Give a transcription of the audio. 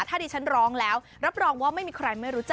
ถ้าดิฉันร้องแล้วรับรองว่าไม่มีใครไม่รู้จัก